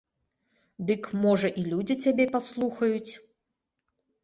Дык, можа, і людзі цябе паслухаюць.